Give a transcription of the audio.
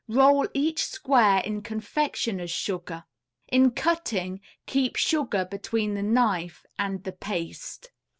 Roll each square in confectioner's sugar. In cutting keep sugar between the knife and the paste.